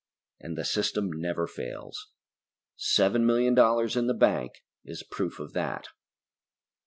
And the system never fails. Seven million dollars in the bank is proof of that.